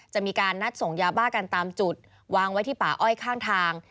จะมีการนัดส่งยาบ้ากันตามจุดวางไว้ที่ป่าอ้อยข้างทาง